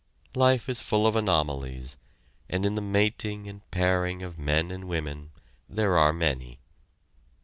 Life is full of anomalies, and in the mating and pairing of men and women there are many.